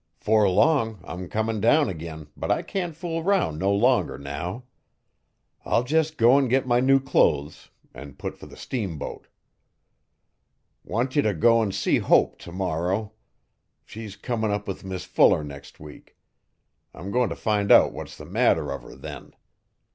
'Fore long I'm comin' down ag'in but I can't fool 'round no longer now. I'll jes'go n git my new clothes and put fer the steamboat. Want ye t'go 'n see Hope tomorrow. She's comm up with Mis Fuller next week. I'm goin' t' find out what's the matter uv her then.